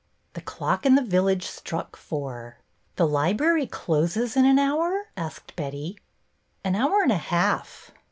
The clock in the village struck four. The library closes in an hour? " asked Betty. An hour and a half."